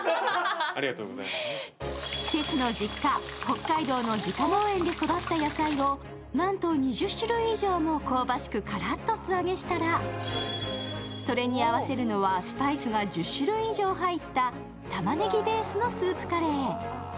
シェフの実家、北海道の自家農園で育った野菜をなんと２０種類以上も香ばしくカラッと素揚げしたら、それに合わせるのはスパイスが１０種類以上入ったたまねぎベースのスープカレー。